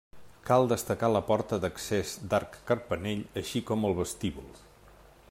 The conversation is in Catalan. Cal destacar la porta d'accés d'arc carpanell així com el vestíbul.